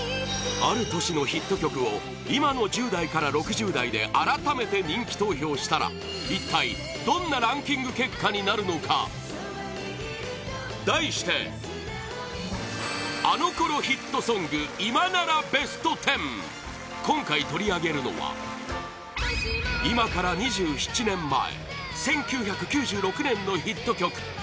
ある年のヒット曲を今の１０代から６０代で改めて人気投票したら一体どんなランキング結果になるのか題して今回取り上げるのは今から２７年前１９９６年のヒット曲